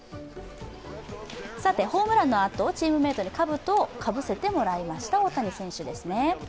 さて、ホームランのあとチームメイトにかぶとをかぶせてもらいました大谷選手ですね。